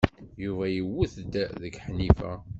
Yuba iwet-d deg Ḥnifa.